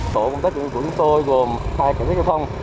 tổ công tác điện của chúng tôi gồm hai cảnh sát giao thông